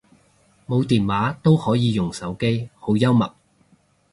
冇電話都可以用手機，好幽默